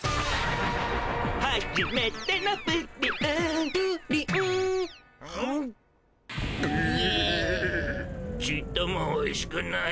「はじめてのプリン」「プリン」ちっともおいしくない。